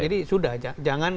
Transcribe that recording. jadi sudah aja